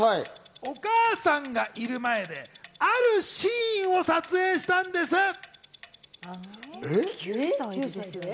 お母さんがいる前で、あるシーンを撮影したんです。